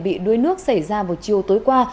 bị đuôi nước xảy ra vào chiều tối qua